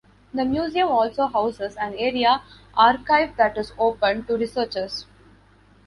The museum also houses an area archive that is open to researchers.